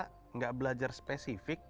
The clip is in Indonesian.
tidak belajar spesifik